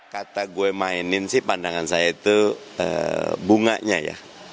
kata gue mainin sih pandangan saya itu bunganya ya